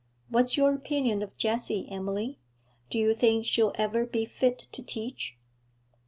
What's your opinion of Jessie, Emily? Do you think she'll ever be fit to teach?'